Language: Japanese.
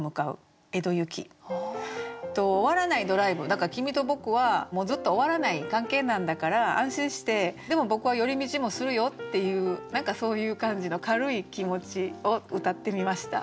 だから君と僕はもうずっと終わらない関係なんだから安心してでも僕は寄り道もするよっていう何かそういう感じの軽い気持ちをうたってみました。